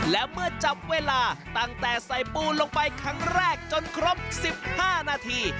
และเมื่อจับเวลาตั้งแต่ใส่ปูนลงไปครั้งแรกจนครบ๑๕นาที